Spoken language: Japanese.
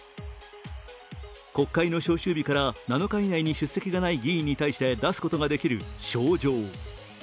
国会の召集日から７日以内に出席がない議員に対して出すことができる招状。